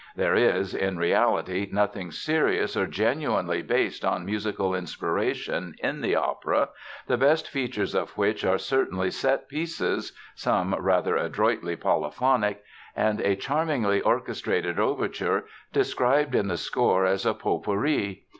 There is, in reality, nothing serious or genuinely based on musical inspiration in the opera, the best features of which are certain set pieces (some rather adroitly polyphonic) and a charmingly orchestrated overture described in the score as a "potpourri".